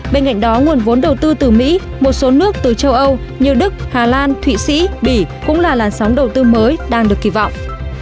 bên cạnh đó nguồn vốn đầu tư từ mỹ một số nước từ châu âu như đức hà lan thụy sĩ bỉ cũng là làn sóng đầu tư mới đang được kỳ vọng